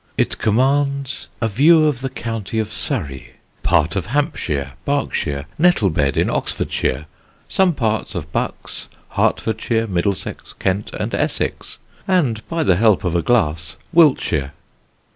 "It commands a view of the county of Surrey, part of Hampshire, Berkshire, Nettlebed in Oxfordshire, some parts of Bucks, Hertfordshire, Middlesex, Kent and Essex; and, by the help of a glass, Wiltshire."